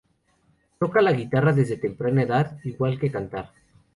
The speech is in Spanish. Toca la guitarra desde temprana edad, igual que cantar.